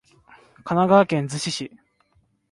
神奈川県逗子市